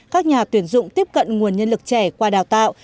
các nhà tuyển dụng tiếp cận nguồn nhân lực trẻ qua đào tạo